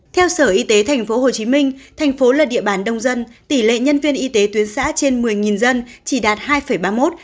theo sở y tế tp hcm thành phố là địa bàn đông dân tỷ lệ nhân viên y tế tuyến xã trên một mươi dân chỉ đạt hai ba mươi một